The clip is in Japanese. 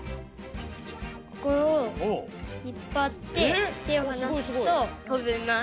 ここをひっぱっててをはなすととびます。